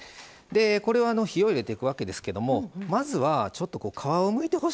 これを火を入れていくわけですけどもまずはちょっと皮をむいてほしいんですね。